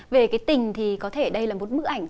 về cái tình thì có thể đây là một bức ảnh